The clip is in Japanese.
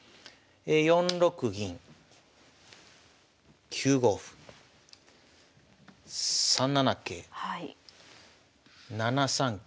４六銀９五歩３七桂７三桂。